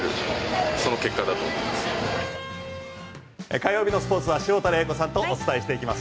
火曜日のスポーツは潮田玲子さんとお伝えしていきます。